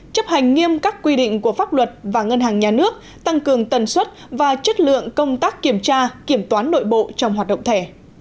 của pháp luật và ngân hàng nhà nước tăng cường tần suất và chất lượng công tác kiểm tra kiểm toán nội bộ trong hoạt động thẻ